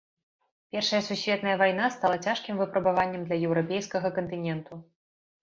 Першая сусветная вайна стала цяжкім выпрабаваннем для еўрапейскага кантыненту.